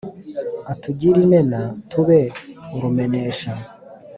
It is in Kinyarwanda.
atugire imena tube urumenesha